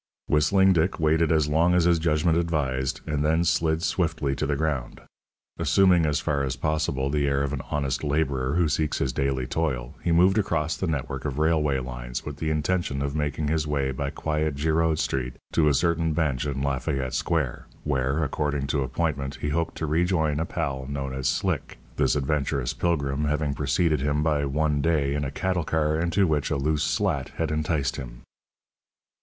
Whistling Dick waited as long as his judgment advised, and then slid swiftly to the ground. Assuming as far as possible the air of an honest labourer who seeks his daily toil, he moved across the network of railway lines, with the intention of making his way by quiet Girod Street to a certain bench in Lafayette Square, where, according to appointment, he hoped to rejoin a pal known as "Slick," this adventurous pilgrim having preceded him by one day in a cattle car into which a loose slat had enticed him.